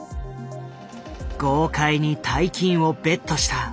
豪快に大金をベットした。